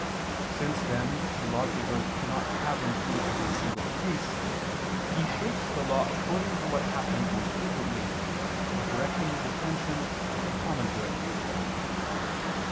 Since then the lawgiver cannot have in view every single case, he shapes the law according to what happens most frequently, by directing his attention to the common good.